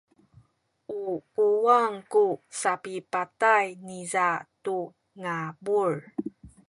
u kuwang ku sapipatay niza tu ngabul.